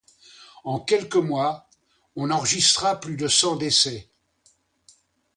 En quelques mois, on enregistra plus de cent décès.